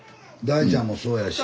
大ちゃんもそうやし。